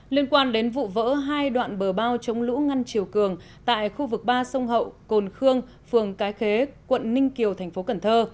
liên quan đến vụ vỡ hai đoạn bờ bao chống lũ ngăn chiều cường tại khu vực ba sông hậu cồn khương phường cái khế quận ninh kiều tp cn